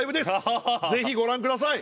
ぜひご覧下さい。